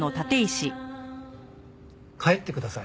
帰ってください。